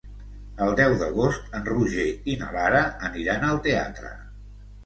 El deu d'agost en Roger i na Lara aniran al teatre.